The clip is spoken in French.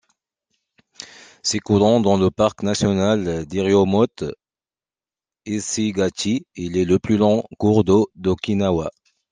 S'écoulant dans le parc national d'Iriomote-Ishigaki, il est le plus long cours d'eau d'Okinawa.